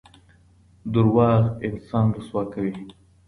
درواغ انسان رسوا کوي.